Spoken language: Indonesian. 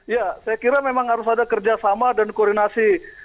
ya saya kira memang harus ada kerjasama dan koordinasi